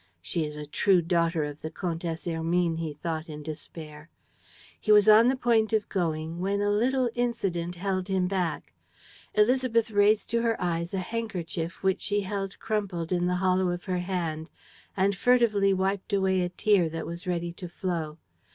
"She is a true daughter of the Comtesse Hermine," he thought, in despair. He was on the point of going, when a little incident held him back. Élisabeth raised to her eyes a handkerchief which she held crumpled in the hollow of her hand and furtively wiped away a tear that was ready to flow.